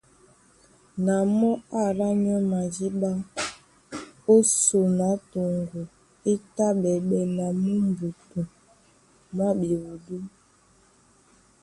Na mɔ́ é alá nyɔ́ madíɓá ó son á toŋgo é tá ɓɛɓɛ na mú mbutu mwá ɓewudú.